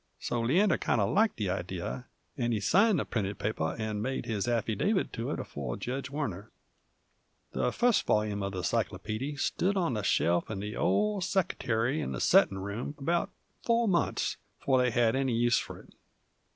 So Leander kind uv liked the idee, and he signed the printed paper 'nd made his affidavit to it afore Jedge Warner. The fust volyume of the cyclopeedy stood on a shelf in the old seckertary in the settin' room about four months before they had any use f'r it.